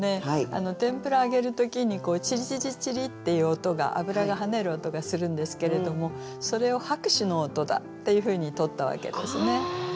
天ぷら揚げる時にチリチリチリッていう音が油が跳ねる音がするんですけれどもそれを拍手の音だっていうふうにとったわけですね。